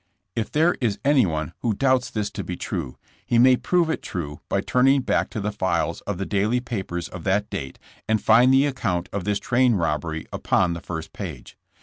If there is anyone who doubts this to be true, he may prove it true by turning back to the files of the daily papers of that date and find the account of this train robbery upon the first page.